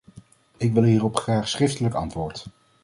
Ik wil hierop graag schriftelijk antwoord.